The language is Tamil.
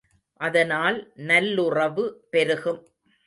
அதனால் நல்லுறவு பெருகும்.